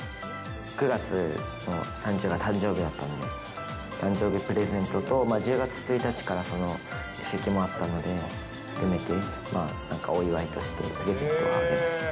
９月の３０が誕生日だったんで、誕生日プレゼントと１０月１日から移籍もあったので、含めてお祝いとしてプレゼントはあげました。